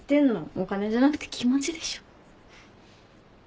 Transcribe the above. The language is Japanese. お金じゃなくて気持ちでしょ。